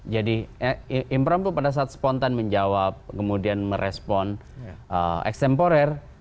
jadi impromptu pada saat spontan menjawab kemudian merespon extemporer